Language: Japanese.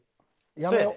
やめよう。